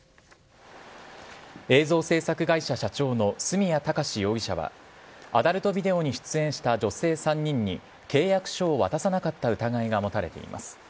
映像制作会社社長の角谷貴史容疑者は、アダルトビデオに出演した女性３人に、契約書を渡さなかった疑いが持たれています。